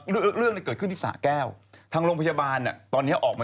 เรื่องเนี่ยเกิดขึ้นที่สะแก้วทางโรงพยาบาลตอนนี้ออกมา